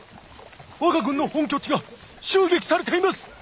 我が軍の本拠地が襲撃されています！